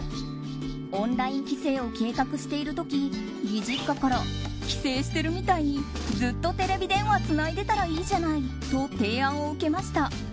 オンライン帰省を計画している時、義実家から帰省してるみたいにずっとテレビ電話つないでたらいいじゃないと提案を受けました。